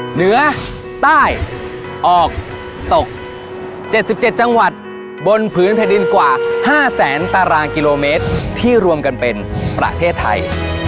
เหนือใต้ออกตก๗๗จังหวัดบนผืนแผ่นดินกว่า๕แสนตารางกิโลเมตรที่รวมกันเป็นประเทศไทย